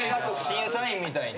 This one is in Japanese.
審査員みたいに？